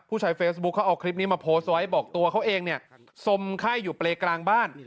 ใช้เฟซบุ๊คเขาเอาคลิปนี้มาโพสต์ไว้บอกตัวเขาเองเนี่ยสมไข้อยู่เปรย์กลางบ้าน